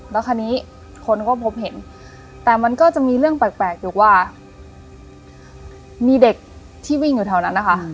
แล้วคราวนี้คนก็พบเห็นแต่มันก็จะมีเรื่องแปลกอยู่ว่ามีเด็กที่วิ่งอยู่แถวนั้นนะคะ